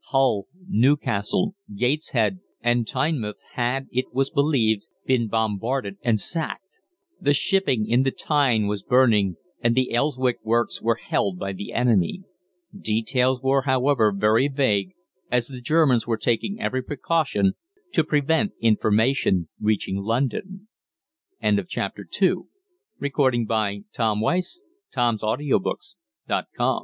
Hull, Newcastle, Gateshead, and Tynemouth had, it was believed, been bombarded and sacked. The shipping in the Tyne was burning, and the Elswick works were held by the enemy. Details were, however, very vague, as the Germans were taking every precaution to prevent information reaching London. CHAPTER III. NEWS OF THE ENEMY. Terror and excitement reigned everywhere.